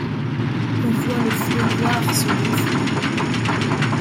Qu’on voit le flot noir se gonfler